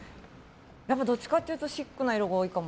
どっちかっていうとシックな色が多いかも。